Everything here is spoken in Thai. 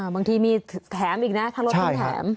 บางทีมีแถมอีกนะทั้งรถทั้งแถม